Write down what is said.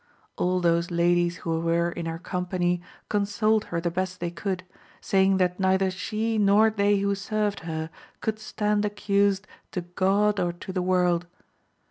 All those ladies who were in her company consoled her the best they could, saying that neither she, nor they who served her could stand accused to God or to the world.